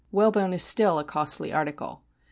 Whalebone is still a costly article. Mr.